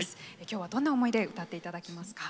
今日はどんな思いで歌っていただけますか。